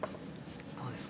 どうですか？